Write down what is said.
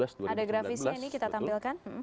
ada grafisnya ini kita tampilkan